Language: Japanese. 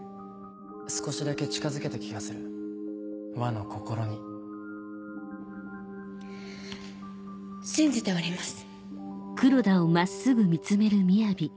少しだけ近づけた気がする和の心に信じております。